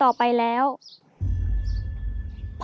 ออกไปเลย